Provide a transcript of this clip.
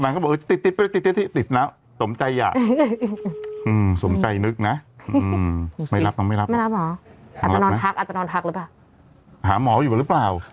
นางก็บอกจะติดนางสมใจอะ